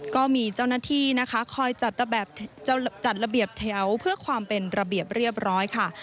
ก็มีเจ้าหน้าที่นะคะคอยจัดระเบียบแถวเพื่อความเป็นระเบียบเรียบร้อยค่ะ